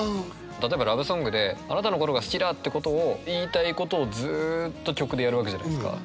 例えばラブソングであなたのことが好きだってことを言いたいことをずっと曲でやるわけじゃないですか。